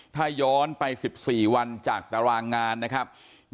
ถ้าย้อนไป๑๔วันจากตารางงานนะครับ